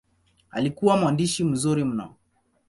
Alikuwa mwandishi mzuri mno.